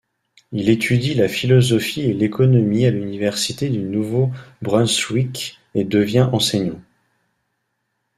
Il étudie la philosophie et l'économie à l'Université du Nouveau-Brunswick et devient enseignant.